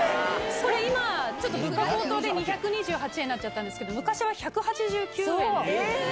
これ、今、物価高騰で２２８円になっちゃったんですけど、昔は１８９円。